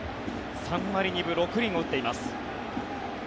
３割２分６厘を打っています。